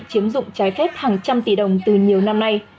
chiếm dụng trái phép hàng trăm tỷ đồng từ nhiều năm nay